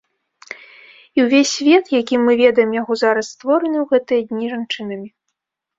І ўвесь свет, якім мы ведаем яго зараз, створаны ў гэтыя дні жанчынамі.